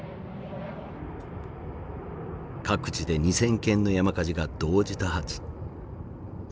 各地で２，０００件の山火事が同時多発。